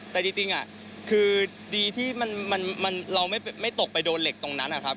แต่จริงคือดีที่เราไม่ตกไปโดนเหล็กตรงนั้นนะครับ